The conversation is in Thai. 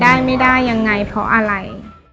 ได้ไม่ได้ยังไงเพราะอะไร